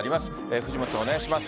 藤本さん、お願いします。